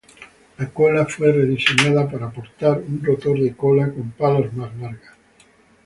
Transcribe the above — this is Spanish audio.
La cola fue rediseñada para portar un rotor de cola con palas más largas.